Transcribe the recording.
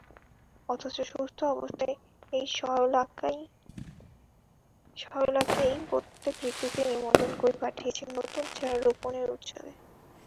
অথচ সুস্থ অবস্থায় এই সরলাকেই প্রত্যেক ঋতুতে নিমন্ত্রণ করে পাঠিয়েছে নতুন চারা রোপণের উৎসবে।